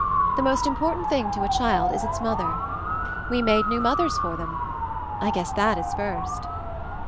The most important thing to a child is its mother. We made new mothers for them — I guess that is 'first.'